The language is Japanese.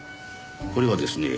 これはですね